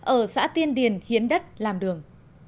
ở xã tiên điền hiến đất làm đường